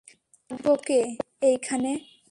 থাকবো কে এইখানে।